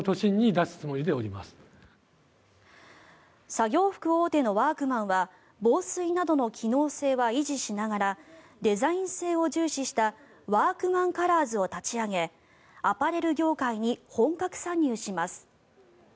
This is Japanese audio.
作業服大手のワークマンは防水などの機能性は維持しながらデザイン性を重視したワークマンカラーズを立ち上げアパレル業界に本格参入します。